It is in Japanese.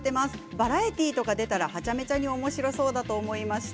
バラエティーとかに出たらはちゃめちゃにおもしろそうだと思いました。